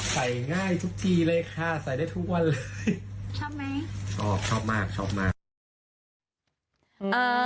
เดี๋ยวให้ดูคลิปกันหน่อยค่ะ